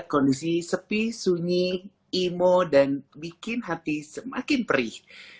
kondisi sepi sunyi imo dan bikin hati semakin perih